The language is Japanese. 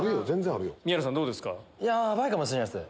ヤバいかもしれないです。